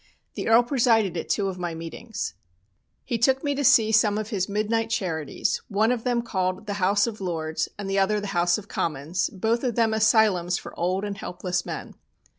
The Earl presided at two of my meetings. He took me to see some of his midnight charities one of them called the "House of Lords" and the other the "House of Commons," both of them asylums for old and helpless men.